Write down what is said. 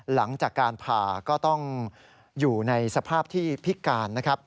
หลังจากการผ่าก็ต้องอยู่ในสภาพที่พิการนะครับ